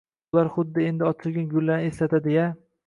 Ular huddi endi ochilgan gullarni eslatadi-ya.